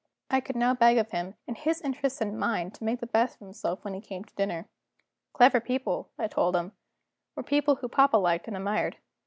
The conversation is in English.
I could now beg of him, in his interests and mine, to make the best of himself when he came to dinner. Clever people, I told him, were people whom papa liked and admired.